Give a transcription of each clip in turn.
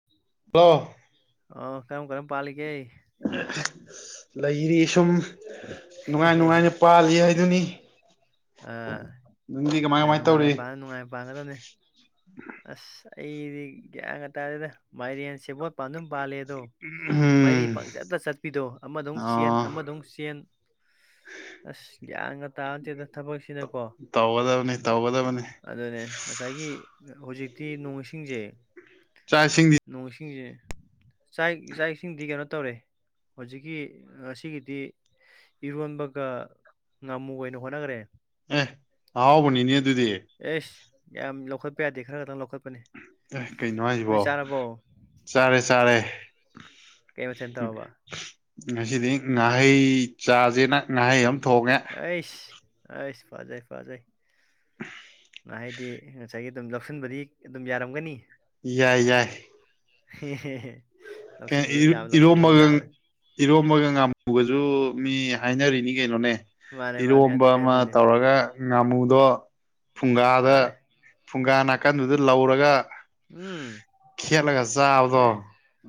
[inaudible] hello ꯑꯥ ꯀꯔꯝ ꯀꯔꯝ ꯄꯥꯜꯂꯤꯒꯦ ꯂꯩꯔꯤ ꯁꯨꯝ ꯅꯨꯡꯉꯥꯏ ꯅꯨꯡꯉꯥꯏꯅ ꯄꯥꯜꯂꯤ ꯍꯥꯏꯗꯨꯅꯤ ꯑꯥ ꯅꯪꯗꯤ ꯀꯃꯥꯏ ꯑ ꯀꯃꯥꯏ ꯅꯨꯡꯉꯥꯏ ꯇꯧꯔꯤ ꯅꯨꯡꯉꯥꯏ ꯄꯥꯟ ꯅꯨꯡꯉꯥꯏ ꯄꯥꯟꯒꯗꯕꯅꯤ ꯑꯁ ꯑꯩꯗꯤ ꯒ꯭ꯌꯥꯟꯒ ꯇꯥꯗꯦꯗ ꯃꯥꯏꯔꯦꯟ ꯁꯦꯕꯣꯠ ꯄꯥꯟꯗꯨꯝ ꯄꯥꯜꯂꯦ ꯑ ꯗꯣ ꯃꯔꯤ ꯎꯝ ꯄꯪꯆꯠꯇ ꯆꯠꯄꯤꯗꯣ ꯑꯃꯗ ꯑꯃꯨꯛ ꯆꯦꯟ ꯑꯣ ꯑꯃꯗ ꯑꯃꯨꯛ ꯆꯦꯟ ꯑꯁ ꯒ꯭ꯌꯥꯟꯒ ꯇꯥꯕ ꯅꯠꯇꯦꯗ ꯊꯕꯛꯁꯤꯅꯀꯣ ꯇꯧꯒꯗꯕꯅꯤ ꯇꯧꯒꯗꯕꯅꯤ ꯑꯗꯨꯅꯦ ꯉꯁꯥꯏꯒꯤ ꯍꯧꯖꯤꯛꯇꯤ ꯅꯣꯡ ꯏꯁꯤꯡꯖꯦ ꯆꯥꯛ ꯏꯁꯤꯡꯗꯤ ꯅꯣꯡ ꯏꯁꯤꯡꯖꯦ ꯆꯥꯛ ꯆꯥꯛ ꯏꯁꯤꯡꯗꯤ ꯀꯩꯅꯣ ꯇꯧꯔꯦ ꯍꯧꯖꯤꯛꯀꯤ ꯉꯁꯤꯒꯤꯗꯤ ꯏꯔꯣꯟꯕꯒ ꯉꯥꯃꯨ ꯑꯣꯏꯅ ꯍꯣꯠꯅꯒꯔꯦ ꯑꯦꯍ ꯑꯍꯥꯎꯕꯅꯤꯅꯦ ꯑꯗꯨꯗꯤ ꯑꯦꯁ ꯌꯥꯝ ꯂꯧꯈꯠꯄ ꯌꯥꯗꯦ ꯈꯔ ꯈꯛꯇꯪ ꯂꯧꯈꯠꯄꯅꯤ ꯑꯦ ꯀꯩꯅꯣ ꯍꯥꯏꯁꯤꯕꯣ ꯅꯣꯏ ꯆꯥꯔꯕꯣ ꯆꯥꯔꯦ ꯆꯥꯔꯦ ꯀꯩ ꯃꯊꯦꯜ ꯇꯧꯔꯕ ꯉꯁꯤꯗꯤ ꯉꯥꯍꯩ ꯆꯥꯖꯦꯅ ꯉꯥꯍꯩ ꯑꯝ ꯑꯁ ꯑꯁ ꯐꯥꯖꯩ ꯐꯥꯖꯩ [inaudible] ꯉꯥꯍꯩꯗꯤ ꯉꯁꯥꯏꯒꯤ ꯑꯗꯨꯝ ꯂꯧꯁꯟꯕꯗꯤ ꯑꯗꯨꯝ ꯌꯥꯔꯝꯒꯅꯤ ꯌꯥꯏ ꯌꯥꯏ ꯍꯦ ꯍꯦ ꯍꯦ ꯀꯩꯅꯣ ꯂꯧꯁꯤꯟꯕ ꯏꯔꯣ- ꯌꯥꯕ ꯂꯧꯁꯤꯟꯕ ꯏꯔꯣꯝꯕꯒ ꯌꯥꯕ ꯏꯔꯣꯝꯕꯒ ꯉꯥꯃꯨꯒꯁꯨ ꯃꯤ ꯍꯥꯏꯅꯔꯤꯅꯤ ꯀꯩꯅꯣꯅꯦ ꯃꯥꯅꯦ ꯃꯥꯅꯦ ꯏꯔꯣꯝꯕ ꯑꯗꯨꯅꯦ ꯑꯃ ꯑꯗꯨꯅꯦ ꯇꯧꯔꯒ ꯉꯥꯃꯨꯗꯣ ꯐꯨꯡꯒꯥꯗ ꯃꯥꯅꯦ ꯐꯨꯡꯒꯥ ꯅꯥꯀꯟꯗꯨꯗ ꯂꯧꯔꯒ ꯎꯝ ꯈꯦꯠꯂꯒ ꯆꯥꯕꯗꯣ ꯑꯗꯩ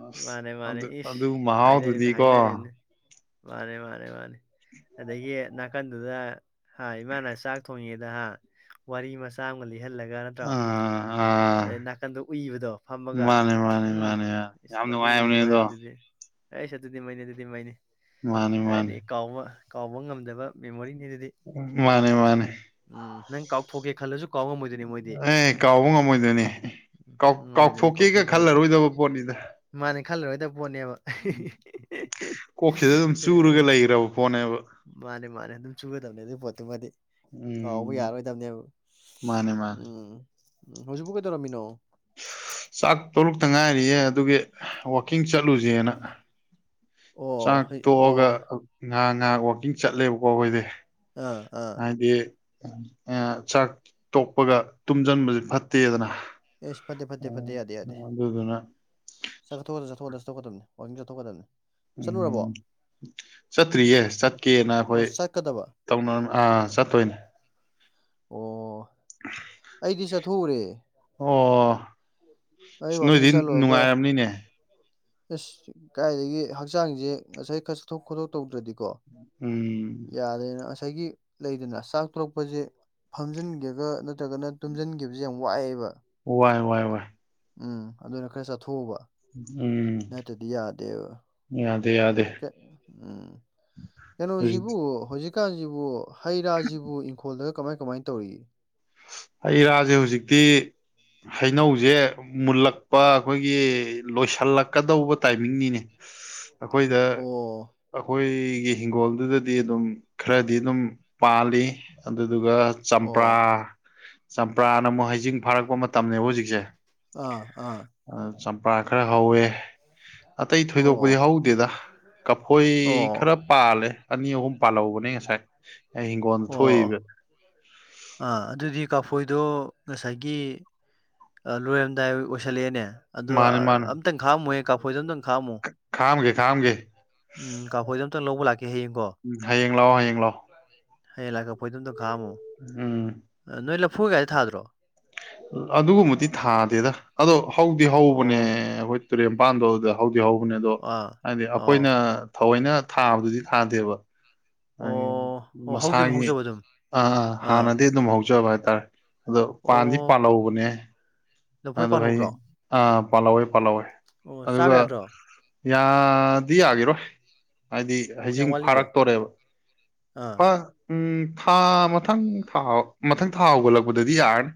ꯑꯁ ꯃꯥꯅꯦ ꯃꯥꯅꯦ ꯑꯗꯨ ꯏꯁ ꯑꯗꯨ ꯍꯥꯏꯅꯔꯤꯝꯅꯤ ꯃꯍꯥꯎꯗꯨꯗꯤꯀꯣ ꯍꯥꯏꯅꯔꯤꯝꯅꯤ ꯃꯥꯅꯦ ꯃꯥꯅꯦ ꯃꯥꯅꯦ ꯑꯗꯒꯤ ꯅꯥꯀꯟꯗꯨꯗ ꯍꯥ ꯏꯃꯥꯅ ꯆꯥꯛ ꯊꯣꯡꯉꯤꯉꯩꯗ ꯍꯥ ꯋꯥꯔꯤ ꯃꯆꯥ ꯑꯝꯒ ꯂꯤꯍꯜꯂꯒ ꯅꯠꯇ꯭ꯔꯣ ꯑꯥ ꯑꯥ ꯑꯗꯩ ꯅꯥꯛ ꯑꯗꯣ ꯎꯨꯏꯕꯗꯣ ꯐꯝꯃꯒ ꯃꯥꯅꯦ ꯃꯥꯅꯦ ꯎꯝ ꯃꯥꯅꯦ ꯃꯥꯅꯦ ꯏꯁ ꯌꯥꯝ ꯃꯗꯨꯃꯨꯛ ꯅꯨꯡꯉꯥꯏꯕꯅꯦ ꯑꯗꯣ ꯅꯨꯡꯉꯥꯏꯕꯗꯨ ꯗꯤ ꯑꯦꯁ ꯑꯗꯨꯗꯤ ꯃꯩꯅꯤ ꯑꯗꯨꯗꯤ ꯃꯩꯅꯤ ꯃꯥꯅꯦ ꯃꯥꯅꯦ ꯀꯥꯏꯗꯩ ꯀꯥꯎꯕ ꯀꯥꯎꯕ ꯉꯝꯗꯕ ꯃꯦꯃꯣꯔꯤꯅꯤ ꯑꯗꯨꯗꯤ ꯎꯝ ꯃꯥꯅꯦ ꯃꯥꯅꯦ ꯎꯝ ꯅꯪ ꯀꯥꯎꯊꯣꯛꯀꯦ ꯈꯜꯂꯁꯨ ꯀꯥꯎ ꯉꯝꯃꯣꯏꯗꯣꯢꯅꯩ ꯃꯣꯏ ꯑꯦ ꯀꯥꯎꯕ ꯉꯝꯃꯣꯏꯗꯣꯏꯅꯦ ꯀꯥꯎ ꯉꯝꯃꯣꯏꯗꯣꯏꯅꯦ ꯀꯥꯎꯊꯣꯛꯀꯦꯒ ꯀꯥꯎꯊꯣꯛꯀꯦ ꯈꯜꯂꯁꯨ ꯈꯜꯂꯔꯣꯏꯗꯕ ꯄꯣꯠꯅꯤꯗ ꯃꯥꯅꯦ ꯈꯜꯂꯔꯣꯏꯗꯕ ꯄꯣꯠꯅꯦꯕ ꯀꯣꯛꯁꯤꯗ ꯑꯗꯨꯝ ꯆꯨꯔꯒ [unintelligible] ꯂꯩꯈ꯭ꯔꯕ ꯄꯣꯠꯅꯦꯕ ꯃꯥꯅꯦ ꯃꯥꯅꯦ ꯑꯗꯨꯝ ꯆꯨꯒꯗꯝꯅꯦ ꯑꯗꯨꯏ ꯄꯣꯠꯇꯨꯃꯗꯤ ꯀꯥꯎꯕ ꯎꯝ ꯌꯥꯔꯣꯏꯗꯝꯅꯦꯕ ꯃꯥꯅꯦ ꯃꯥꯅꯦ ꯎꯝ ꯎꯝ ꯍꯧꯖꯤꯛꯄꯨ ꯀꯩꯗꯧꯔꯝꯃꯤꯅꯣ ꯆꯥꯛ ꯇꯣꯛꯂꯛꯇ ꯉꯥꯏꯔꯤꯌꯦ ꯑꯗꯨꯒꯤ ꯋꯥꯛꯀꯤꯡ ꯆꯠꯂꯨꯁꯦꯅ ꯑꯣ ꯆꯥꯛ ꯍꯣꯏ ꯑꯣ ꯇꯣꯛꯑꯒ ꯉꯍꯥꯛ ꯉꯍꯥꯛ ꯋꯥꯛꯀꯤꯡ ꯆꯠꯂꯦꯕꯀꯣ ꯑꯈꯣꯏꯗꯤ ꯑꯥ ꯑꯥ ꯍꯥꯏꯗꯤ ꯑꯥ ꯆꯥꯛ ꯇꯣꯛꯄꯒ ꯇꯨꯝꯁꯤꯟꯕꯁꯦ ꯐꯠꯇꯦꯗꯅ ꯏꯁ ꯐꯠꯇꯦ ꯐꯠꯇꯦ ꯐꯠꯇꯦ ꯑꯣ ꯌꯥꯗꯦ ꯌꯥꯗꯦ ꯑꯗꯨꯗꯨꯅ ꯆꯠꯊꯣꯛ ꯆꯊꯣꯛ ꯗꯧꯒꯗꯝꯅꯦ ꯋꯥꯀꯤꯡ ꯆꯠꯊꯣꯀꯗꯕꯅꯤ ꯎꯝ ꯆꯠꯇ꯭ꯔꯤꯌꯦ ꯆꯠꯀꯦꯅ ꯑꯣ ꯑꯈꯣꯏ ꯆꯠꯀꯗꯕ ꯇꯧꯅꯔꯝ ꯑꯥ ꯆꯠꯇꯣꯏꯅꯦ ꯑꯣ ꯑꯩꯗꯤ ꯆꯠꯊꯣꯛꯎꯔꯦ ꯑꯣ ꯑꯩ ꯏꯁ ꯋꯥꯛꯀꯤꯡ ꯅꯣꯏꯗꯤ ꯆꯠꯂꯨꯔꯒ ꯅꯨꯡꯉꯥꯏꯔꯝꯅꯤꯅꯦ ꯑꯁ ꯀꯥꯏꯗꯒꯤ ꯍꯛꯆꯥꯡꯁꯦ ꯉꯁꯥꯏ ꯈꯔ ꯆꯠꯊꯣꯛ ꯈꯣꯠꯇꯣꯛ ꯇꯧꯗ꯭ꯔꯗꯤꯀꯣ ꯎꯝ ꯌꯥꯔꯦꯅ ꯉꯁꯥꯏꯒꯤ ꯂꯩꯗꯅ ꯆꯥꯛ ꯇꯣꯛꯂꯛꯄꯁꯦ ꯐꯝꯖꯤꯟꯒꯦꯒ ꯅꯠꯇ꯭ꯔꯒꯅ ꯇꯨꯝꯖꯤꯟꯒꯤꯕꯁꯤ ꯌꯥꯝ ꯋꯥꯏꯑꯦꯕ ꯋꯥꯏ ꯋꯥꯏ ꯋꯥꯏ ꯎꯝ ꯑꯗꯨꯅꯤ ꯈꯔ ꯆꯠꯊꯣꯛꯎꯕ ꯎꯝ ꯅꯠꯇ꯭ꯔꯥꯗꯤ ꯌꯥꯗꯦꯕ ꯌꯥꯗꯦ ꯌꯥꯗꯦ [unintelligible] ꯎꯝ ꯍꯧꯖꯤꯛ ꯀꯩꯅꯣꯁꯤꯕꯨ ꯍꯧꯖꯤꯛ ꯀꯥꯟꯁꯤꯕꯨ ꯍꯩ ꯔꯥꯁꯤꯕꯨ ꯏꯪꯈꯣꯜꯗꯒ ꯀꯃꯥꯏ ꯀꯃꯥꯏꯅ ꯇꯧꯔꯤꯒꯦ ꯍꯩ ꯔꯥꯁꯦ ꯍꯧꯖꯤꯛꯇꯤ ꯍꯩꯅꯧꯁꯦ ꯃꯨꯜꯂꯛꯄ ꯑꯈꯣꯏꯒꯤ ꯂꯣꯏꯁꯤꯜꯂꯛꯀꯗꯧꯕ ꯇꯥꯏꯃꯤꯡꯅꯤꯅꯦ ꯑꯈꯣꯏꯗ ꯑꯣ ꯑꯩꯈꯣꯏꯒꯤ ꯍꯤꯡꯒꯣꯜꯗꯨꯗꯗꯤ ꯑꯗꯨꯝ ꯈꯔꯗꯤ ꯑꯗꯨꯝ ꯄꯥꯜꯂꯤ ꯑꯗꯨꯗꯨꯒ ꯆꯝꯄ꯭ꯔꯥ ꯑꯣ ꯆꯝꯄ꯭ꯔꯥꯅ ꯑꯃꯨꯛ ꯍꯩꯖꯤꯡ ꯐꯥꯔꯛꯄ ꯃꯇꯝꯅꯦꯕ ꯍꯧꯖꯤꯛꯁꯦ ꯑꯥ ꯑꯥ ꯑ ꯆꯝꯄ꯭ꯔꯥ ꯈꯔ ꯍꯧꯋꯦ ꯑꯇꯩ ꯊꯣꯏꯗꯣꯛꯄꯗꯤ ꯑꯣ ꯍꯧꯗꯦꯗ ꯀꯐꯣꯏ ꯑꯣ ꯈꯔ ꯄꯥꯜꯂꯦ ꯑꯅꯤ ꯑꯍꯨꯝ ꯄꯥꯜꯍꯧꯕꯅꯦ ꯉꯁꯥꯏ ꯑꯩ ꯍꯤꯡꯒꯣꯜ ꯑꯣ ꯊꯣꯛꯏꯕ ꯑꯥ ꯑꯗꯨꯗꯤ ꯀꯥꯐꯣꯏꯗꯣ ꯉꯁꯥꯏꯒꯤ ꯑꯥ ꯂꯣꯏꯔꯝꯗꯥꯏ ꯑꯣꯏꯁꯜꯂꯛꯑꯦꯅꯦ ꯑꯗꯣ ꯃꯥꯅꯦ ꯃꯥꯅꯦ ꯑꯝꯇꯪ ꯈꯥꯛꯑꯝꯃꯣꯍꯦ ꯀꯥꯐꯣꯏꯗꯣ ꯑꯝꯇꯪ ꯈꯥꯛꯑꯝꯃꯨ ꯈꯥꯑꯝꯒꯦ ꯈꯥꯑꯝꯒꯦ ꯎꯝ ꯀꯥꯐꯣꯏꯗꯣ ꯑꯝꯇꯪ ꯂꯧꯕ ꯂꯥꯛꯀꯦ ꯍꯌꯦꯡꯀꯣ ꯍꯌꯦꯡ ꯂꯥꯛꯑꯣ ꯍꯌꯦꯡ ꯂꯥꯛꯑꯣ ꯍꯌꯦꯡ ꯂꯥꯛ ꯀꯐꯣꯏꯗꯣ ꯑꯝꯇꯪ ꯈꯥꯑꯝꯃꯣ ꯎꯝ ꯅꯣꯏ ꯂꯐꯣꯢꯒꯥꯗꯤ ꯊꯥꯗ꯭ꯔꯣ ꯑꯗꯨꯒꯨꯝꯕꯗꯤ ꯊꯥꯗꯦꯗ ꯑꯗꯣ ꯍꯧꯗꯤ ꯍꯧꯕꯅꯦ ꯑꯣ ꯑꯈꯣꯏ ꯇꯨꯔꯦꯟ ꯄꯥꯟꯗꯣ ꯑꯗꯨꯗ ꯍꯧꯗꯤ ꯍꯧꯕꯅꯦ ꯑꯗꯣ ꯑꯥ ꯍꯥꯏꯗꯤ ꯑꯣ ꯑꯩꯈꯣꯏꯅ ꯊꯑꯣꯏꯅ ꯊꯥꯕꯗꯨꯗꯤ ꯊꯥꯗꯦꯕ ꯑꯣ ꯑꯣ ꯍꯧꯗꯤ ꯑꯗꯨꯝ ꯃꯁꯥꯒꯤ ꯍꯧꯖꯕ ꯑꯗꯨꯝ ꯑꯥ ꯍꯥꯟꯅꯗꯩ ꯑꯗꯨꯝ ꯍꯧꯖꯕ ꯍꯥꯏꯇꯥꯔꯦ ꯑꯗꯣ ꯑꯣ ꯄꯥꯟꯗꯤ ꯄꯥꯜꯍꯧꯕꯅꯦ ꯂꯐꯣꯏ ꯑꯗꯣ ꯍꯌꯦ ꯄꯥꯜꯍꯧꯕ꯭ꯔꯣ ꯑ ꯄꯥꯜꯂꯧꯋꯦ ꯄꯥꯜꯂꯧꯋꯦ ꯑꯣ ꯆꯥꯕ ꯑꯗꯨꯒ ꯌꯥꯗ꯭ꯔꯣ ꯌꯥꯗꯤ ꯌꯥꯒꯤꯔꯣꯏ ꯍꯥꯏꯗꯤ ꯑꯣ ꯀꯌꯥꯝ ꯍꯩꯖꯤꯡ ꯋꯥꯠꯂꯤꯒꯦ ꯐꯥꯔꯛꯇꯣꯔꯦꯕ ꯑꯥ ꯍ ꯎꯝ ꯊꯥ ꯃꯊꯪ ꯊꯥ ꯃꯊꯪ ꯊꯥ ꯍꯧꯒꯠꯂꯛꯄꯗꯗꯤ ꯌꯥꯔꯅꯤ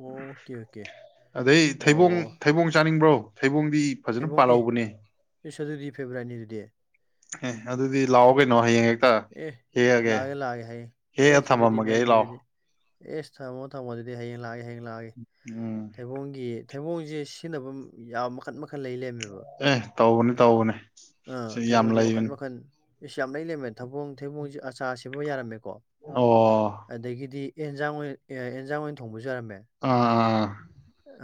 ꯑꯣꯀꯦ ꯑꯣꯀꯦ ꯑꯗꯩ ꯊꯩꯕꯣꯡ ꯑꯣ ꯊꯩꯕꯣꯡ ꯆꯥꯅꯤꯡꯕ꯭ꯔꯣ ꯊꯩꯕꯣꯡꯗꯤ ꯐꯖꯅ ꯊꯩꯕꯣꯡ ꯑꯦ ꯄꯥꯜꯍꯧꯕꯅꯦ ꯏꯁ ꯑꯗꯨꯗꯤ ꯐꯦꯕꯔꯥꯏꯠꯅꯤ ꯑꯗꯨꯗꯤ ꯑꯦ ꯑꯗꯨꯗꯤ ꯂꯥꯛꯑꯣ ꯀꯩꯅꯣ ꯍꯌꯦꯡ ꯍꯦꯛꯇ ꯑꯦ ꯍꯦꯛꯑꯒꯦ ꯂꯥꯛꯑꯒꯦ ꯂꯥꯛꯑꯒꯦ ꯍꯥꯌꯦꯡ ꯍꯦꯛꯑ ꯑꯦꯁ ꯑꯗꯨꯗꯤ ꯊꯝꯃꯝꯃꯒꯦ ꯑꯩ ꯃꯩꯅꯦ ꯑꯗꯨꯗꯤ ꯂꯥꯛꯑꯣ ꯑꯦꯁ ꯊꯝꯃꯣ ꯊꯝꯃꯣ ꯑꯗꯨꯗꯤ ꯍꯌꯦꯡ ꯂꯥꯛꯑꯒꯦ ꯍꯌꯦꯡ ꯂꯥꯛꯑꯒꯦ ꯎꯝ ꯊꯩꯕꯣꯡꯒꯤ ꯊꯩꯕꯣꯡꯁꯦ ꯁꯤꯖꯤꯟꯅꯐꯝ ꯌꯥꯝ ꯃꯈꯜ ꯃ ꯈꯟ ꯂꯩ ꯂꯩꯔꯝꯃꯦꯕ ꯑꯦ ꯇꯧꯕꯅꯤ ꯇꯧꯕꯅꯤ ꯑ ꯁꯤ ꯌꯥꯝ ꯊꯩꯕꯣꯡꯁꯦ ꯃꯈꯟ ꯂꯩꯕꯅꯤ ꯃꯈꯟ ꯏꯁ ꯌꯥꯝ ꯂꯩ ꯂꯩꯔꯝꯃꯦ ꯊꯕꯣꯡ ꯊꯩꯕꯣꯡꯁꯦ ꯑꯆꯥꯔ ꯁꯦꯝꯕ ꯌꯥꯔꯝꯃꯦꯀꯣ ꯑꯣ ꯑꯗꯒꯤꯗꯤ ꯑꯦꯟꯖꯥꯡ ꯑꯣꯏꯅ ꯑꯦꯟꯖꯥꯡ ꯑꯣꯏꯅ ꯊꯣꯡꯕꯁꯨ ꯌꯥꯔꯝꯃꯦ ꯑꯥ ꯑꯥ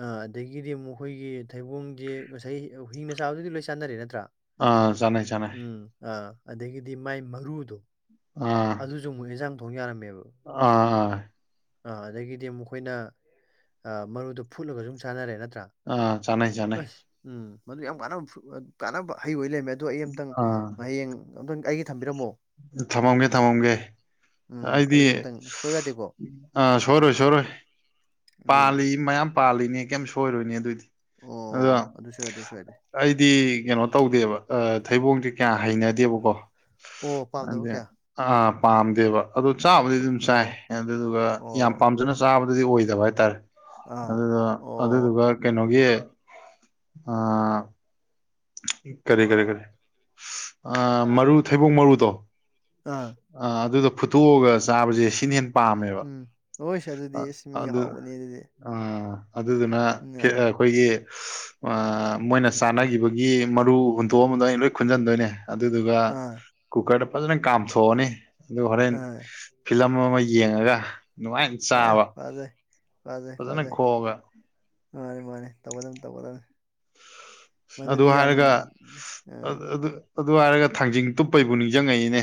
ꯑ ꯑꯗꯒꯤꯗꯤ ꯑꯃꯨꯛ ꯑꯈꯣꯏꯒꯤ ꯊꯩꯕꯣꯡꯖꯦ ꯉꯁꯥꯏ ꯍꯤꯡꯅ ꯆꯥꯕꯗꯨꯗꯤ ꯂꯣꯏ ꯆꯥꯟꯅꯔꯦ ꯅꯠꯇ꯭ꯔꯥ ꯑꯥ ꯆꯥꯟꯅꯩ ꯆꯥꯟꯅꯩ ꯑ ꯑꯗꯒꯤꯗꯤ ꯃꯥꯏ ꯃꯔꯨꯗꯣ ꯑ ꯑꯗꯨꯁꯨ ꯑꯃꯨꯛ ꯍꯦꯟꯟꯖꯥꯡ ꯊꯣꯡ ꯌꯥꯔꯝꯃꯦꯕ ꯑ ꯑ ꯑꯥ ꯑꯗꯒꯤꯗꯤ ꯑꯃꯨꯛ ꯑꯩꯈꯣꯏꯅ ꯑꯥ ꯃꯔꯨꯗꯣ ꯐꯨꯠꯂꯒ ꯁꯨꯝ ꯆꯥꯅꯔꯦ ꯅꯠꯇ꯭ꯔꯥ ꯑ ꯆꯥꯅꯩ ꯆꯥꯅꯩ ꯑꯁ ꯎꯝ ꯃꯗꯨ ꯌꯥꯝ ꯀꯥꯟꯅꯕ ꯐꯨ ꯀꯥꯟꯅꯕ ꯍꯩ ꯑꯣꯏ ꯂꯩꯔꯝꯃꯦ ꯑꯗꯨ ꯑꯩ ꯑꯃꯝꯇꯪ ꯑꯥ ꯍꯌꯦꯡ ꯑꯝꯇꯪ ꯑꯩꯒꯤ ꯊꯝꯕꯤꯔꯝꯃꯣ ꯊꯝꯃꯝꯒꯦ ꯊꯝꯃꯝꯒꯦ ꯎꯝ ꯑꯩꯗꯤ ꯑꯩ ꯑꯝꯇꯪ ꯁꯣꯏꯕ ꯌꯥꯗꯦꯀꯣ ꯑꯥ ꯁꯣꯏꯔꯣꯏ ꯁꯣꯏꯔꯣꯏ ꯑꯗꯨꯅꯦ ꯄꯥꯜꯂꯤ ꯃꯌꯥꯝ ꯄꯥꯜꯂꯤꯅꯦ ꯀꯩꯝ ꯁꯣꯏꯔꯣꯏꯅꯦ ꯑꯗꯨꯏꯗꯤ ꯑꯗꯣ ꯑꯣ ꯑꯗꯨꯁꯨ ꯑꯗꯨꯁꯨ [unintelligible] ꯑꯩꯗꯤ ꯀꯩꯅꯣ ꯇꯧꯗꯦꯕ ꯑꯥ ꯊꯩꯕꯣꯡꯗꯤ ꯀꯌꯥ ꯍꯩꯅꯗꯦꯕꯀꯣ ꯑꯣ ꯄꯥꯝꯗꯕ ꯑꯗꯤ ꯀꯌꯥ ꯑꯥ ꯄꯥꯝꯗꯦꯕ ꯑꯗꯣ ꯆꯥꯕꯗꯤ ꯈꯣꯏ- ꯑꯗꯨꯝ ꯆꯥꯏ ꯑꯣ ꯑꯗꯨꯗꯨꯒ ꯌꯥꯝ ꯑꯣ ꯄꯥꯝꯖꯅ ꯆꯥꯕꯗꯨꯗꯤ ꯑꯣꯏꯗꯕ ꯍꯥꯏꯇꯥꯔꯦ ꯑꯥ ꯑꯗꯨꯗ ꯑꯣ ꯑꯗꯨꯗꯨꯒ ꯀꯩꯅꯣꯒꯤ ꯑ ꯀꯔꯤ ꯀꯔꯤ ꯀꯔꯤ ꯃꯔꯨ ꯊꯩꯕꯣꯡ ꯃꯔꯨꯗꯣ ꯑꯥ ꯑ ꯑꯗꯨꯗꯣ ꯐꯨꯠꯇꯣꯛꯑꯒ ꯆꯥꯕꯁꯦ ꯁꯤꯅ ꯍꯦꯟ ꯄꯥꯝꯃꯦꯕ ꯎꯝ ꯍꯣꯏꯁ ꯑꯗꯨꯗꯤ ꯑꯦꯁ ꯃꯤ ꯑꯗꯨ ꯍꯥꯎꯕꯅꯤ ꯑꯗꯨꯗꯤ ꯑ ꯑꯗꯨꯗꯨꯅ ꯎꯝ ꯑꯥ ꯑꯩꯈꯣꯏꯒꯤ ꯑꯥ ꯃꯣꯏꯅ ꯆꯥꯅꯈꯤꯕꯒꯤ ꯃꯔꯨ ꯍꯨꯟꯗꯣꯛ ꯑꯝꯕꯗꯣ ꯑꯩꯅ ꯂꯣꯏ ꯈꯨꯟꯖꯟꯗꯣꯏꯅꯦ ꯑꯗꯨꯗꯨꯒ ꯑꯥ ꯀꯨꯀꯔꯗ ꯐꯖꯟꯅ ꯀꯥꯝꯊꯣꯛꯑꯅꯤ ꯑꯗꯨꯒ ꯍꯣꯔꯦꯟ ꯑꯥ ꯐꯤꯂꯝ ꯑꯃ ꯌꯦꯡꯉꯒ ꯅꯨꯡꯉꯥꯏ ꯑꯥ ꯐꯖꯩ ꯐꯖꯩ ꯐꯖꯩ ꯈꯣꯛꯑꯒ ꯃꯥꯅꯦ ꯃꯥꯅꯦ ꯇꯧꯒꯗꯝꯅꯤ ꯇꯧꯒꯗꯝꯅꯤ ꯑꯗꯨ ꯃꯗꯨꯗꯤ ꯌꯥꯝ ꯍꯥꯏꯔꯒ ꯑ ꯑꯗꯨ ꯑꯗꯨ ꯍꯥꯏꯔꯒ ꯊꯥꯡꯖꯤꯡ ꯇꯨꯞꯄꯩꯕꯨ ꯅꯤꯡꯖꯪꯉꯛꯏꯅꯦ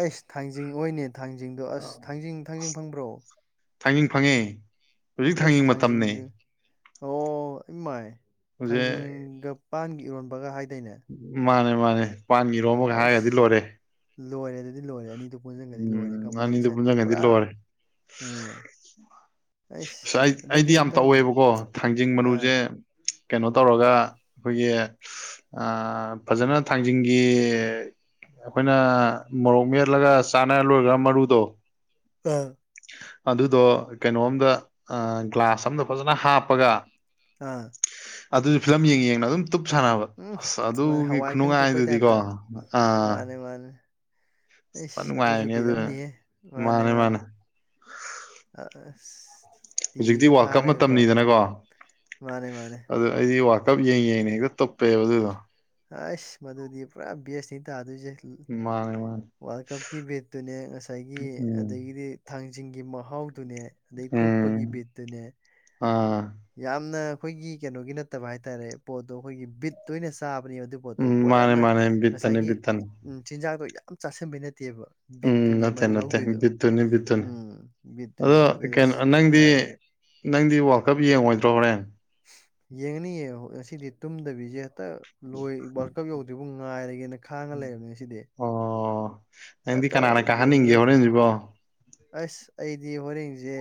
ꯑꯩꯁ ꯊꯥꯡꯖꯤꯡ ꯍꯣꯏꯅꯦ ꯊꯥꯡꯖꯤꯡꯗꯣ ꯑꯁ ꯊꯥꯡꯖꯤꯡ ꯊꯥꯡꯖꯤꯡ ꯐꯪꯕ꯭ꯔꯣ ꯊꯥꯡꯖꯤꯡ ꯐꯪꯉꯦ ꯍꯧꯖꯤꯛ ꯑꯦꯁ ꯊꯥꯡꯖꯤꯡ ꯃꯇꯝꯅꯦ ꯊꯥꯡꯖꯤꯡꯗ ꯑꯣ ꯏꯃꯥꯏ ꯍꯧꯖꯤꯛ ꯊꯥꯡꯖꯤꯡꯒ ꯄꯥꯟꯒ ꯏꯔꯣꯟꯕꯒ ꯍꯥꯏꯗꯥꯏꯅꯦ ꯃꯥꯅꯦ ꯃꯥꯅꯦ ꯄꯥꯟꯒ ꯏꯔꯣꯝꯕꯒ ꯍꯥꯏꯒ꯭ꯔꯗꯤ ꯑꯁ ꯂꯣꯏꯔꯦ ꯂꯣꯏꯔꯦ ꯑꯗꯨꯗꯤ ꯂꯣꯏꯔꯦ ꯑꯅꯤꯗꯨ ꯄꯨꯨꯟꯖꯟꯒ꯭ꯔꯗꯤ ꯂꯣꯏꯔꯦ ꯎꯝ ꯑꯅꯤꯗꯨ ꯀꯝꯕꯥꯏꯅꯦꯁꯟꯗꯤ ꯄꯨꯟꯁꯤꯟꯒꯗꯤ ꯄꯨꯔꯥ ꯂꯣꯏꯔꯦ ꯑ ꯑꯩꯁ ꯑꯁ ꯑꯩ ꯑꯗꯨꯗꯤ ꯑꯩꯗꯤ ꯌꯥꯝ ꯑꯝꯇꯪ ꯇꯧꯋꯦꯕꯀꯣ ꯊꯥꯡꯖꯤꯡ ꯑꯥ ꯃꯔꯨꯁꯦ ꯀꯩꯅꯣ ꯇꯧꯔꯒ ꯑꯩꯈꯣꯏꯒꯤ ꯑꯥ ꯐꯖꯅ ꯊꯥꯡꯖꯤꯡꯒꯤ ꯑꯈꯣꯏꯅ ꯃꯣꯔꯣꯛ ꯃꯦꯠꯂꯒ ꯆꯥꯅꯔ ꯂꯣꯏꯒ꯭ꯔꯒ ꯃꯔꯨꯗꯣ ꯑꯥ ꯑꯗꯨꯗꯣ ꯀꯩꯅꯣꯝꯗ ꯑ ꯒ꯭ꯂꯥꯁ ꯑꯝꯗ ꯐꯖꯅ ꯍꯥꯞꯄꯒ ꯑꯥ ꯑꯗꯨꯖꯨ ꯐꯤꯂꯝ ꯌꯦꯡ ꯌꯦꯡꯅ ꯑꯗꯨꯝ ꯇꯨꯞ ꯁꯥꯟꯅꯕ ꯎꯝ ꯑꯁ ꯃꯥꯅꯦ ꯑꯗꯨꯒꯤ ꯍꯋꯥꯏꯀꯪ ꯇꯨꯞꯄꯩ ꯈꯨꯅꯨꯡꯉꯥꯏꯗꯨꯗꯤꯀꯣ ꯇꯥꯏꯞꯇ ꯑꯥ [inaudible] ꯃꯥꯅꯦ ꯃꯥꯅꯦ ꯑꯩꯁ ꯑꯗꯨꯖꯨ ꯅꯨꯡꯉꯥꯏꯕꯅꯦ ꯕꯤꯠ ꯑꯗꯨ ꯑꯝꯅꯤꯍꯦ ꯃꯥꯅꯦ ꯃꯥꯅꯦ ꯑ ꯑꯁ ꯍꯧꯖꯤꯛꯇꯤ ꯇꯤꯚꯤꯒ ꯋꯥ꯭ꯔꯜ ꯀꯞ ꯊꯥꯔꯒꯀꯣ ꯃꯇꯝꯅꯤꯗꯅꯀꯣ ꯃꯥꯅꯦ ꯃꯥꯅꯦ ꯑꯗꯨ ꯑꯩꯗꯤ ꯋꯥ꯭ꯔꯜ ꯀꯞ ꯌꯦꯡ ꯌꯦꯡꯅ ꯍꯦꯛꯇ ꯇꯨꯞꯄꯦꯕ ꯑꯗꯨꯗꯣ ꯑꯥꯁ ꯃꯗꯨꯗꯤ ꯄꯨꯔꯥ ꯕꯦꯁꯅꯤ ꯇꯥꯗꯣꯏꯖꯦ ꯃꯥꯅꯦ ꯃꯥꯅꯦ ꯋꯥ꯭ꯔꯜ ꯀꯞꯀꯤ ꯕꯦꯠꯇꯨꯅꯦ ꯉꯁꯥꯏꯒꯤ ꯎꯝ ꯑꯗꯥꯒꯤꯗꯤ ꯊꯥꯡꯖꯤꯡꯒꯤ ꯃꯍꯥꯎꯗꯨꯅꯦ ꯑꯗꯩ ꯇꯨꯞꯄꯒꯤ ꯎꯝ ꯕꯤꯠꯇꯨꯅꯦ ꯑꯥ ꯌꯥꯝꯅ ꯑꯩꯈꯣꯏꯒꯤ ꯀꯩꯅꯣꯒꯤ ꯅꯠꯇꯕ ꯍꯥꯏꯇꯥꯔꯦ ꯄꯣꯠꯇꯣ ꯑꯩꯈꯣꯏꯒꯤ ꯕꯤꯠꯇ ꯑꯣꯏꯅ ꯆꯥꯕꯅꯦꯕ ꯑꯗꯨ ꯄꯣꯠꯇꯣ ꯎꯝ ꯄꯣꯠ ꯃꯥꯅꯦ ꯌꯥꯝꯅ ꯃꯥꯅꯦ ꯕꯤꯠꯇꯅꯤ ꯉꯁꯥꯏꯒꯤ ꯕꯤꯠꯇꯅꯤ ꯎꯝ ꯆꯤꯟꯖꯥꯛꯇꯣ ꯌꯥꯝ ꯆꯥꯥꯁꯟꯕꯩ ꯅꯠꯇꯦꯕ ꯎꯝ ꯕꯤꯠꯇꯨꯅꯦꯕ ꯅꯠꯇꯦ ꯃꯗꯨ ꯅꯠꯇꯦ ꯂꯧꯗꯣꯏꯗꯣ ꯕꯤꯠꯇꯨꯅꯤ ꯕꯤꯠꯇꯨꯅꯤ ꯎꯝ ꯕꯤꯠꯇꯨꯅꯦꯕ ꯑꯗꯣ ꯑꯗꯨꯏꯗꯣ ꯑꯁ ꯀꯩꯅꯣ ꯊꯤ ꯅꯪꯗꯤ ꯅꯨꯡꯉꯥꯏꯕꯅꯦ ꯅꯪꯗꯤ ꯋꯥ꯭ꯔꯜ ꯀꯞ ꯌꯦꯡꯉꯣꯏꯗ꯭ꯔꯣ ꯍꯣꯔꯦꯟ ꯌꯦꯡꯅꯤ ꯌꯦꯡꯉꯣ ꯉꯁꯤꯗꯤ ꯇꯨꯝꯗꯕꯤꯖꯦ ꯇꯛ ꯂꯣꯏ ꯋꯥ꯭ꯔꯜ ꯀꯞ ꯌꯧꯗ꯭ꯔꯤꯕꯛ ꯉꯥꯏꯔꯒꯦꯅ ꯈꯥꯡꯉ ꯂꯩꯔꯕꯅꯤ ꯉꯁꯤꯗꯤ ꯑꯣ ꯅꯪꯗꯤ ꯍꯦꯛꯇ ꯀꯅꯥꯅ ꯀꯥꯍꯟꯅꯤꯡꯒꯦ ꯍꯣꯔꯦꯟꯖꯤꯕꯣ ꯑꯩꯁ ꯑꯩꯗꯤ ꯍꯣꯔꯦꯟꯖꯦ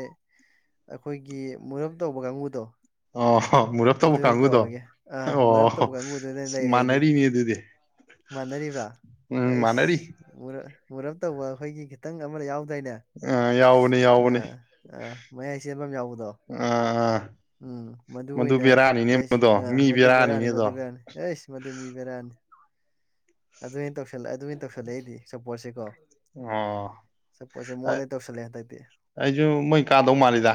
ꯑꯩꯈꯣꯏꯒꯤ ꯃꯣꯔꯞ ꯇꯧꯕ ꯀꯥꯡꯒꯨꯗꯣ ꯑꯣ ꯃꯨꯔꯞ ꯇꯧꯕ ꯀꯥꯡꯒꯨꯗꯣ ꯑꯥ ꯃꯨꯔꯞ ꯇꯧꯕ ꯑꯣ ꯀꯥꯡꯕꯨꯗꯨꯅ ꯂꯩꯔꯦ ꯑꯩꯗꯤ ꯃꯥꯟꯅꯔꯤꯅꯦ ꯑꯗꯨꯗꯤ ꯃꯥꯟꯅꯔꯤꯕ꯭ꯔꯥ ꯎꯝ ꯑꯩꯁ ꯃꯥꯟꯅꯔꯤ ꯃꯨꯔꯞ ꯃꯨꯔꯞ ꯇꯧꯕ ꯑꯩꯈꯣꯏꯒꯤ ꯈꯤꯇꯪ ꯑꯃꯗ ꯌꯥꯎꯗꯥꯏꯅꯦ ꯑ ꯌꯥꯎꯕꯅꯦ ꯌꯥꯎꯕꯅꯦ ꯑꯥ ꯑꯥ ꯃꯌꯥꯏ ꯆꯦꯟꯕ ꯑꯝ ꯌꯥꯎꯕꯗꯣ ꯑꯥ ꯎꯝ ꯃꯗꯨ ꯑꯣꯏꯅ ꯂꯩꯁ ꯃꯗꯣ ꯑ ꯃꯤ ꯃꯗꯨ ꯕꯦꯔꯥꯅꯤꯅꯦ ꯕꯦꯔꯥꯅꯤ ꯑꯗꯣ ꯃꯗꯨ ꯕꯦꯔꯥꯅꯤ ꯑꯩꯁ ꯃꯗꯨ ꯃꯤ ꯕꯦꯔꯥꯅꯤ ꯑꯗꯨ ꯑꯣꯏꯅ ꯇꯧꯁꯜ ꯑꯗꯨꯑꯣꯏꯅ ꯇꯧꯁꯜꯂꯦ ꯑꯩꯗꯤ ꯁꯞꯄꯣꯔꯠꯁꯦ ꯀꯣ ꯑꯣ ꯑ ꯇꯧꯁꯜꯂꯦ ꯍꯟꯗꯛꯇꯤ ꯑꯩꯁꯨ ꯃꯣꯏ ꯀꯥꯗꯧ ꯃꯥꯜꯂꯤꯗ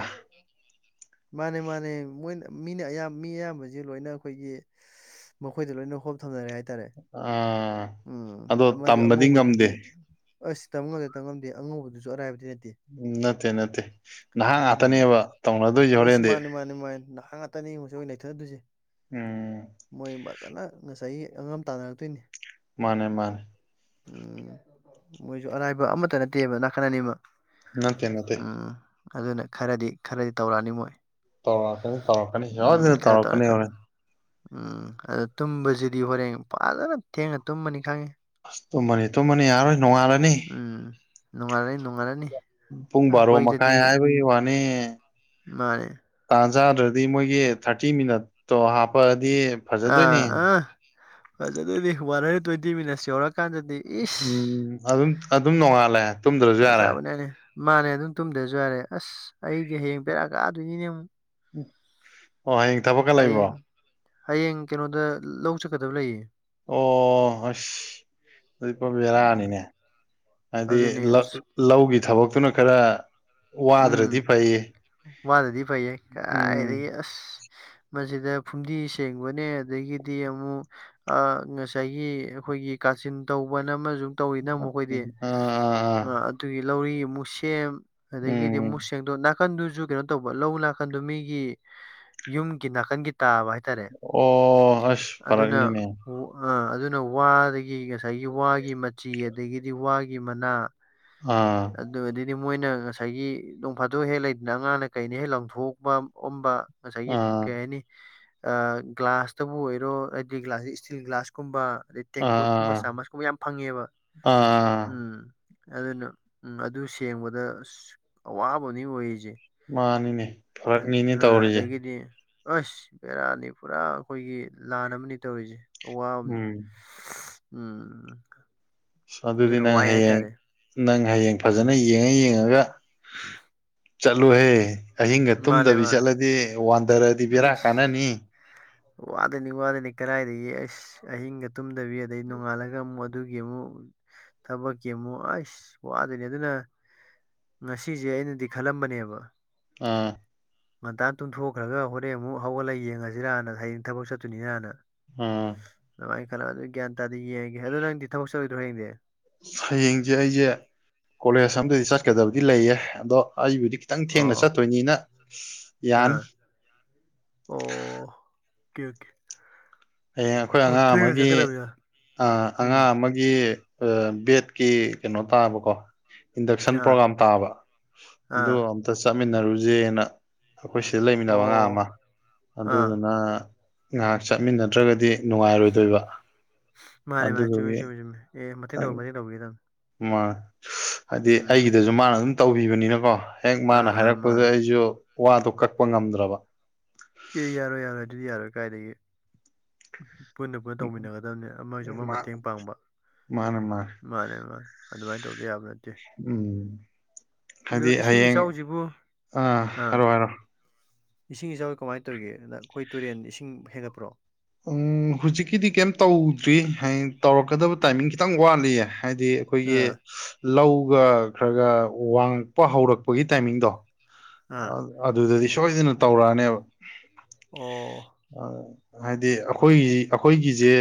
ꯃꯥꯅꯦ ꯃꯥꯅꯦ ꯃꯣꯏꯅ ꯃꯤꯅ ꯑꯌꯥꯝ ꯃꯤ ꯑꯌꯥꯝꯕꯖꯤ ꯂꯣꯏꯅ ꯑꯩꯈꯣꯏꯒꯤ ꯃꯈꯣꯏꯗ ꯂꯣꯏꯅ ꯍꯣꯞ ꯊꯝꯅꯔꯦ ꯍꯥꯏꯇꯥꯔꯦ ꯑ ꯎꯝ ꯑꯗꯣ ꯑꯃꯁꯨ ꯇꯝꯕꯗꯤ ꯉꯝꯗꯦ ꯑꯉꯧꯕꯗꯨꯗꯤ ꯑꯁ ꯇꯝ ꯉꯝꯗꯦ ꯇꯝ ꯉꯝꯗꯦ ꯑꯉꯧꯕꯗꯨꯖꯨ ꯑꯔꯥꯏꯕꯗꯤ ꯅꯠꯇꯦ ꯎꯝ ꯅꯠꯇꯦ ꯅꯠꯇꯦ ꯅꯍꯥ ꯉꯥꯛꯇꯅꯦꯕ ꯇꯧꯅꯗꯣꯏꯁꯦ ꯍꯣꯔꯦꯟꯗꯤ ꯃꯥꯏ ꯅꯍꯥ ꯉꯥꯛꯇꯅꯤ [unintelligible] ꯅꯩꯊꯠꯅꯗꯣꯏꯁꯦ ꯎꯝ ꯃꯣꯏ ꯐꯖꯅ ꯉꯁꯥꯏꯒꯤ ꯑꯉꯥꯝ ꯇꯥꯟꯅꯔꯛꯇꯣꯏꯅꯤ ꯃꯥꯅꯦ ꯃꯥꯅꯦ ꯎꯝ ꯃꯣꯏꯁꯨ ꯑꯔꯥꯏꯕ ꯑꯃꯠꯇ ꯅꯠꯇꯦꯕ ꯅꯥꯀꯟ ꯑꯅꯤꯃꯛ ꯅꯠꯇꯦ ꯅꯠꯇꯦ ꯎꯝ ꯑꯗꯨꯅ ꯈꯔꯗꯤ ꯈꯔꯗꯤ ꯇꯧꯔꯛꯑꯅꯤ ꯃꯣꯏ ꯇꯧꯔꯛꯀꯅꯤ ꯇꯧꯔꯛꯀꯅꯤ ꯎꯝ ꯁꯣꯏꯗꯅ ꯈꯔ ꯇꯧꯔ ꯇꯧꯔꯛꯀꯅꯤ ꯈꯔ ꯍꯧꯔꯦꯟ ꯎꯝ ꯑꯗꯨ ꯇꯨꯝꯕꯁꯤꯗꯤ ꯍꯣꯔꯦꯟ ꯐꯖꯅ ꯊꯦꯡꯉ ꯇꯨꯝꯃꯅꯤ ꯈꯪꯉꯤ ꯑꯁ ꯇꯨꯝꯃꯅꯤ ꯇꯨꯝꯃꯅꯤ ꯌꯥꯔꯔꯣꯏ ꯅꯣꯡꯉꯥꯜꯂꯅꯤ ꯎꯝ ꯅꯣꯡꯉꯥꯜꯂꯅꯤ ꯅꯣꯡꯉꯥꯜꯂꯅꯤ ꯄꯨꯡ ꯕꯥꯔꯣ ꯃꯈꯥꯏ ꯑꯩꯈꯣꯏꯗꯗꯤ ꯍꯥꯏꯕꯩ ꯋꯥꯅꯦ ꯃꯥꯅꯦ ꯇꯥꯟ ꯆꯥꯗ꯭ꯔꯗꯤ ꯃꯣꯏꯒꯤ ꯊꯥꯔꯇꯤ ꯃꯤꯅꯠꯇꯣ ꯍꯥꯞꯄꯑꯗꯤ ꯑꯥ ꯑꯥ ꯐꯖꯗꯨꯔꯤ ꯋꯥꯟ ꯍꯟꯗ꯭ꯔꯦꯠ ꯇ꯭ꯋꯦꯟꯇꯤ ꯃꯤꯅꯠꯁ ꯌꯧꯔꯛꯑꯀꯥꯟꯗꯗꯤ ꯎꯝ ꯑꯗꯨꯝ ꯑꯗꯨꯝ ꯅꯣꯡꯉꯥꯜꯂꯦ ꯇꯨꯝꯗ꯭ꯔꯁꯨ ꯌꯥꯔꯦ ꯐꯖꯕꯅꯦꯅꯦ ꯃꯥꯅꯦ ꯑꯗꯨꯝ ꯇꯨꯝꯗ꯭ꯔꯁꯨ ꯌꯥꯔꯦ ꯑꯁ ꯑꯩꯗꯤ ꯍꯌꯦꯡ ꯕꯦꯔꯥ ꯀꯥꯗꯣꯏꯅꯤꯅꯦ ꯑꯃꯨꯛ ꯋꯥ [unintelligible] ꯍꯌꯦꯡ ꯍꯌꯦꯡ ꯀꯩꯅꯣꯗ ꯂꯧ ꯆꯠꯀꯗꯕ ꯂꯩꯌꯦ ꯑꯣ ꯑꯁ ꯑꯗꯨꯗꯤ ꯄꯣ ꯎꯝ ꯕꯦꯔꯥꯅꯤꯅꯦ ꯍꯥꯏꯗꯤ ꯑꯗꯨꯅꯦ ꯑꯁ ꯂꯧꯒꯤ ꯊꯕꯛꯇꯨꯅ ꯈꯔ ꯋꯥꯗ꯭ꯔꯗꯤ ꯎꯝ ꯐꯩꯌꯦ ꯋꯥꯗꯗꯤ ꯐꯩꯌꯦ ꯎꯝ ꯀꯔꯥꯏꯗꯒꯤ ꯑꯁ ꯃꯁꯤꯗ ꯐꯨꯝꯗꯤ ꯁꯦꯡꯕꯅꯦ ꯑꯗꯒꯤꯗꯤ ꯑꯃꯨꯛ ꯑ ꯉꯁꯥꯏꯒꯤ ꯑꯩꯈꯣꯏꯒꯤ ꯀꯥꯆꯤꯟ ꯇꯧꯕꯅ ꯑꯃꯁꯨ ꯇꯧꯔꯤꯅ ꯑꯃꯨꯛ ꯑꯩꯈꯣꯏꯗꯤ ꯎꯝ ꯑꯥ ꯑꯥ ꯑꯥ ꯑꯗꯨꯒꯤ ꯂꯧꯔꯤ ꯑꯃꯨꯛꯁꯦꯝ ꯑꯗꯒꯤꯗꯤ ꯎꯝ ꯃꯨꯁ ꯁꯦꯡꯗꯣ ꯅꯥꯀꯟꯗꯨꯁꯨ ꯀꯩꯅꯣ ꯇꯧꯕ ꯂꯧ ꯅꯥꯀꯟꯗꯨ ꯃꯤꯒꯤ ꯌꯨꯝꯒꯤ ꯅꯥꯀꯟꯒꯤ ꯇꯥꯕ ꯍꯥꯏꯇꯥꯔꯦ ꯑꯣ ꯑꯁ ꯑꯗꯨꯅ ꯐꯔꯛꯅꯤꯅꯦ ꯎ ꯑ ꯑꯗꯨꯅ ꯋꯥꯗꯒꯤ ꯉꯁꯥꯏꯒꯤ ꯋꯥꯒꯤ ꯃꯆꯤ ꯑꯗꯒꯤꯗꯤ ꯋꯥꯒꯤ ꯃꯅꯥ ꯑꯥ ꯑꯗꯨ ꯑꯗꯗꯤ ꯃꯣꯏꯅ ꯉꯁꯥꯏꯒꯤ ꯅꯣꯡꯐꯥꯗꯣꯛ ꯍꯦꯛ ꯂꯩꯗꯅ ꯑꯉꯥꯡꯅ ꯀꯩꯅ ꯍꯦꯛ ꯂꯪꯊꯣꯛꯎꯕ ꯑꯣꯝꯕ ꯉꯁꯥꯏꯒꯤ ꯑꯥ ꯀꯩ ꯍꯥꯏꯅꯤ ꯑ ꯒ꯭ꯂꯥꯁꯇꯕꯨ ꯑꯣꯏꯔꯣ ꯍꯥꯏꯗꯤ ꯒ꯭ꯂꯥꯁ ꯁꯦ ꯏꯁꯇꯤꯜ ꯒ꯭ꯂꯥꯁ ꯀꯨꯝꯕ ꯑꯗꯩ ꯑꯥ ꯇꯦꯡꯀꯣꯠꯀꯨꯝꯕ ꯑꯥ ꯑꯥ ꯆꯥꯃꯁꯀꯨꯝꯕ ꯌꯥꯝ ꯐꯪꯉꯦꯕ ꯑꯥ ꯎꯝ ꯑꯗꯨꯅ ꯎꯝ ꯑꯗꯨ ꯁꯦꯡꯕꯗ ꯑꯁ ꯑꯋꯥꯕꯝꯅꯤ ꯑꯣꯏꯔꯤꯁꯦ ꯃꯥꯅꯤꯅꯦ ꯑ ꯐꯔꯛꯅꯤꯅꯦ ꯇꯧꯔꯤꯁꯦ ꯑꯗꯒꯤꯗꯤ ꯑꯁ ꯕꯦꯔꯥꯅꯤ ꯄꯨꯔꯥ ꯑꯩꯈꯣꯏꯒꯤ ꯂꯥꯟ ꯑꯃꯅꯤ ꯇꯧꯔꯤꯁꯦ ꯑꯋꯥꯕꯝꯅꯤ ꯎꯝ ꯎꯝ ꯑꯗꯨꯗꯤ ꯑꯗꯨꯅ ꯅꯪ ꯋꯥꯏ ꯍꯌꯦꯡ ꯍꯥꯏꯇꯥꯔꯦ ꯅꯪ ꯍꯌꯦꯡ ꯐꯖꯅ ꯌꯦꯡꯉ ꯌꯦꯡꯉꯒ [inaudible] ꯆꯠꯂꯨꯍꯦ ꯑꯍꯤꯡꯒ ꯃꯥꯅꯦ ꯇꯨꯝꯗꯕꯤ ꯃꯥꯅꯦ ꯆꯠꯂꯗꯤ ꯋꯥꯟꯗꯔꯗꯤ ꯕꯦꯔꯥ ꯎꯝ ꯀꯥꯟꯅꯅꯤ ꯋꯥꯗꯣꯏꯅꯤ ꯋꯥꯗꯣꯏꯅꯤ ꯀꯥꯏꯗꯒꯤ ꯑꯁ ꯑꯍꯤꯡꯒ ꯇꯨꯝꯗꯕꯤ ꯑꯗꯩ ꯅꯣꯡꯉꯥꯜꯂꯒ ꯑꯃꯨꯛ ꯑꯗꯨꯒꯤ ꯑꯃꯨꯛ ꯊꯕꯛꯀꯤ ꯑꯃꯨꯛ ꯑꯩꯁ ꯋꯥꯗꯣꯏꯅꯤ ꯑꯗꯨꯅ ꯉꯁꯤꯁꯦ ꯑꯩꯅꯗꯤ ꯈꯜꯂꯝꯕꯅꯦꯕ ꯑ ꯉꯟꯇꯥ ꯇꯨꯝꯊꯣꯛꯈ꯭ꯔꯒ ꯍꯣꯔꯦꯟ ꯑꯃꯨꯛ ꯍꯧꯒꯠꯂꯒ ꯌꯦꯡꯉꯁꯤꯔꯅ ꯍꯌꯦꯡ ꯊꯕꯛ ꯆꯠꯇꯣꯏꯅꯤꯅꯅ ꯎꯝ ꯑꯗꯨꯃꯥꯏ ꯈꯂ ꯑꯗꯨ ꯒ꯭ꯌꯥꯟ ꯇꯥꯗꯤ ꯌꯦꯡꯉꯒꯦ ꯑꯗꯨ ꯅꯪꯗꯤ ꯊꯕꯛ ꯆꯠꯂꯣꯏꯗ꯭ꯔꯣ ꯍꯌꯦꯡꯗꯤ ꯍꯌꯦꯡꯖꯦ ꯑꯩꯖꯦ ꯀꯣꯂꯦꯖ ꯑꯝꯗꯗꯤ ꯆꯠꯀꯗꯕꯗꯤ ꯂꯩꯌꯦ ꯑꯗꯣ ꯑꯩꯕꯨꯗꯤ ꯇꯪ ꯊꯦꯡꯅ ꯑꯣ ꯆꯠꯇꯣꯏꯅꯤꯅ ꯌꯥꯅꯤ ꯑꯥ ꯑꯣ ꯀꯦ ꯀꯦ ꯍꯌꯦꯡ ꯑꯩꯈꯣꯏ ꯑꯉꯥꯡ ꯑꯃꯒꯤ ꯑ ꯎꯝ ꯑꯉꯥꯡ ꯑꯃ ꯒꯤ ꯑ ꯕꯦꯠꯀꯤ ꯀꯩꯅꯣ ꯇꯥꯕꯀꯣ ꯏꯟꯗꯛꯁꯟ ꯑꯥ ꯄ꯭ꯔꯣꯒꯥꯝ ꯇꯥꯕ ꯑꯗꯨ ꯑꯥ ꯑꯝꯇ ꯆꯠꯃꯤꯟꯅꯔꯨꯖꯦꯅ ꯑꯈꯣꯏ ꯁꯤ ꯂꯩꯃꯤꯟꯅꯕ ꯑꯉꯥ ꯑꯣ ꯑꯃ ꯑꯥ ꯑꯗꯨꯗꯨꯅ ꯉꯥꯏꯛ ꯆꯠꯃꯤꯟꯅꯗ꯭ꯔꯒꯗꯤ ꯅꯨꯡꯉꯥꯏꯔꯣꯏꯗꯣꯏꯕ ꯃꯥꯅꯦ ꯃꯥꯅꯦ ꯆꯨꯝꯃꯦ ꯑꯗꯨꯗꯨꯒꯤ ꯆꯨꯝꯃꯦ ꯆꯨꯝꯃꯦ ꯑꯦ ꯃꯇꯦꯡ ꯇꯪ ꯇꯧꯕ ꯃꯇꯦꯡ ꯇꯧꯕꯤꯒꯗꯕꯅꯤ ꯃ ꯍꯥꯏꯗꯤ ꯎꯝ ꯑꯩꯒꯤꯗꯁꯨ ꯃꯥꯅ ꯑꯗꯨꯝ ꯇꯧꯕꯤꯕꯅꯤꯅꯀꯣ ꯍꯦꯛ ꯃꯥꯅ ꯑꯥ ꯑꯥ ꯍꯥꯏꯔꯛꯄꯗ ꯃꯥꯅꯦ ꯑꯩꯖꯨ ꯋꯥꯗꯣ ꯀꯛꯄ ꯉꯝꯗ꯭ꯔꯕ ꯑꯦ ꯌꯥꯔꯣꯏ ꯌꯥꯔꯣꯏ ꯑꯗꯨꯗꯤ ꯌꯥꯔꯣꯏ ꯀꯥꯏꯗꯒꯤ ꯄꯨꯟꯅ ꯄꯨꯟꯅ ꯇꯧꯃꯤꯟꯅꯒꯗꯕꯅꯤ ꯑꯃꯒꯤꯁꯨ ꯑꯃ ꯃꯇꯦꯡ ꯄꯥꯡꯕ ꯃꯥꯅꯦ ꯃꯥꯅꯦ ꯑꯗꯨꯃꯥꯏꯅ ꯇꯧꯗ ꯌꯥꯕ ꯅꯠꯇꯦ ꯎꯝ ꯑꯗꯣ ꯈꯪꯗꯤ ꯏꯁꯤꯡ ꯍꯌꯦꯡ ꯏꯆꯥꯎꯁꯤꯕꯨ ꯑꯥ ꯍꯥꯏꯔꯣ ꯍꯥꯏꯔꯣ ꯏꯁꯤꯡ ꯏꯆꯥꯎ ꯀꯃꯥꯏꯒꯦ ꯇꯧꯔꯤ ꯑꯩꯈꯣꯏ ꯇꯨꯔꯦꯟ ꯏꯁꯤꯡ ꯍꯦꯟꯒꯠꯄ꯭ꯔꯣ ꯎꯪ ꯍꯨꯖꯤꯛꯀꯤꯗꯤ ꯀꯩꯝ ꯇꯧꯗ꯭ꯔꯤ ꯍꯌꯦꯡ ꯇꯧꯔꯛꯀꯗꯕ ꯇꯥꯏꯃꯤꯡ ꯈꯤꯇꯪ ꯋꯥꯠꯂꯤꯌꯦ ꯍꯥꯏꯗꯤ ꯑꯈꯣꯏꯒꯤ ꯑꯥ ꯂꯧꯒ ꯈ꯭ꯔꯒ ꯋꯥꯡꯉꯛꯄ ꯍꯧꯔꯛꯄꯒꯤ ꯇꯥꯏꯃꯤꯡꯗꯣ ꯑ ꯑꯥ ꯑꯗꯨꯗꯗꯤ ꯁꯣꯏꯗꯅ ꯇꯧꯔꯛꯑꯅꯦꯕ ꯑꯣ ꯑ ꯍꯥꯏꯗꯤ ꯑꯩꯈꯣꯏꯒꯤ ꯑꯩꯈꯣꯏꯒꯤꯖꯦ